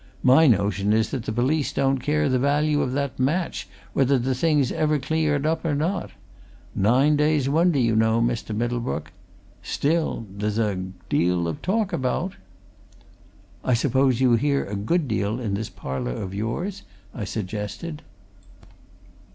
My notion is that the police don't care the value of that match whether the thing's ever cleared up or not. Nine days' wonder, you know, Mr. Middlebrook. Still there's a deal of talk about." "I suppose you hear a good deal in this parlour of yours?" I suggested.